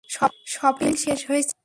Shopping শেষ হয়েছে?